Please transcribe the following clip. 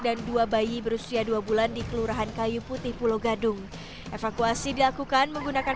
dan dua bayi berusia dua bulan di kelurahan kayu putih pulau gadung evakuasi dilakukan menggunakan